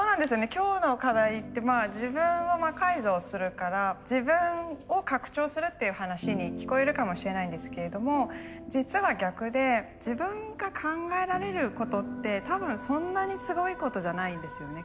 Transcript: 今日の課題って自分を魔改造するから自分を拡張するっていう話に聞こえるかもしれないんですけれども実は逆で自分が考えられることって多分そんなにすごいことじゃないんですよね。